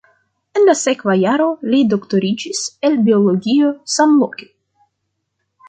En la sekva jaro li doktoriĝis el biologio samloke.